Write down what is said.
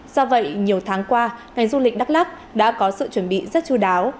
do vậy nhiều tháng qua ngành du lịch đắk lắc đã có sự chuẩn bị rất chú đáo